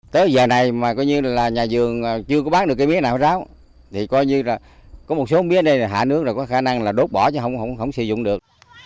tới giờ này mà nhà vườn chưa có bán được cây mía nào ráo thì coi như là có một số mía này hạ nước rồi có khả năng là đốt bỏ chứ không sử dụng được